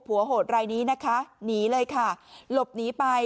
โหดรายนี้นะคะหนีเลยค่ะหลบหนีไป